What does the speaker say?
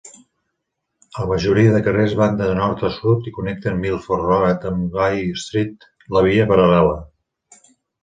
La majoria dels carrers van de nord a sud i connecten Milford Road amb Guy Street, la via paral·lela.